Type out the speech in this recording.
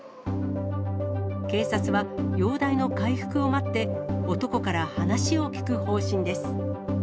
警察は、容体の回復を待って、男から話を聴く方針です。